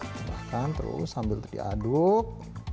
tambahkan terus sambil diaduk